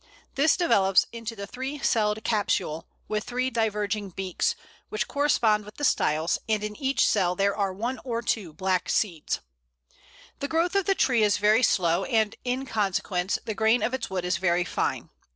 This develops into the three celled capsule with three diverging beaks, which correspond with the styles, and in each cell there are one or two black seeds. [Illustration: Box. A, male flowers; B, female flower.] The growth of the tree is very slow, and, in consequence, the grain of its wood is very fine.